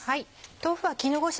豆腐は絹ごし